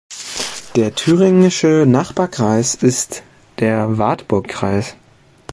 Der thüringische Nachbarkreis ist der Wartburgkreis.